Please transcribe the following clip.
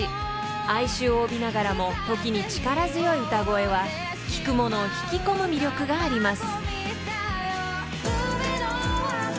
［哀愁を帯びながらも時に力強い歌声は聴く者を引き込む魅力があります］